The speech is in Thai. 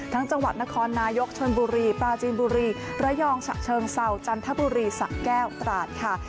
จังหวัดนครนายกชนบุรีปราจีนบุรีระยองฉะเชิงเศร้าจันทบุรีสะแก้วตราดค่ะ